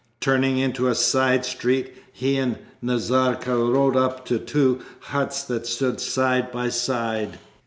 Turning into a side street, he and Nazarka rode up to two huts that stood side by side.